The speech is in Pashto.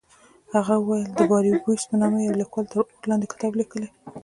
هغه وویل د باربیوس په نامه یوه لیکوال تر اور لاندې کتاب لیکلی.